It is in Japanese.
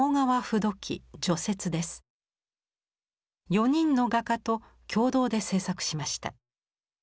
４人の画家と共同で制作しました。